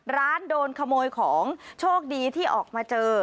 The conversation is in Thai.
ร้านโดนขโมยของโชคดีที่ออกมาเจอ